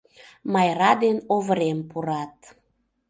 Майра ден Оврем пурат.